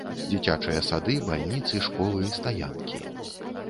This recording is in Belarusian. Дзіцячыя сады, бальніцы, школы, стаянкі.